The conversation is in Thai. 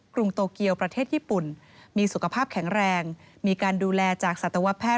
กงโตเกียวประเทศญี่ปุ่นมีสุขภาพแข็งแรงมีการดูแลจากสัตวแพทย